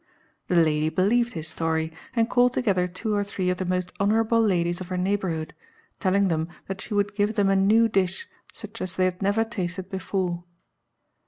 The lady believed his story, and called together two or three of the most honourable ladies of her neighbourhood, telling them that she would give them a new dish such as they had never tasted before.